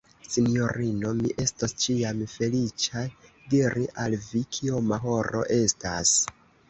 Sinjorino, mi estos ĉiam feliĉa, diri al vi, kioma horo estas.